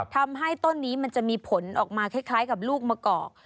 ต้นนี้มันจะมีผลออกมาคล้ายกับลูกมะกอก